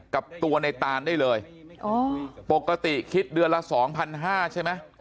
กับตัวในตานได้เลยโอ้โหปกติคิดเดือนละ๒๕๐๐ใช่ไหม